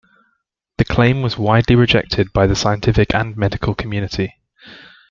The claim was widely rejected by the scientific and medical community.